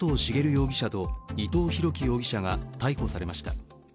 容疑者と伊藤宏樹容疑者が逮捕されました。